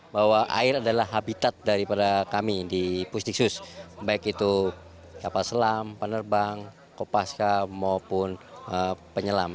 bahwa air adalah habitat daripada kami di pusdikus baik itu kapal selam penerbang kopaska maupun penyelam